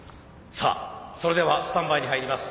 さあそれではスタンバイに入ります。